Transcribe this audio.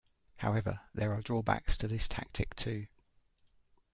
However, there are drawbacks to this tactic, too.